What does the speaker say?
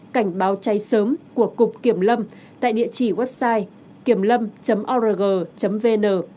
cảnh báo cháy sớm của cục kiểm lâm tại địa chỉ website kiểmlâm org vn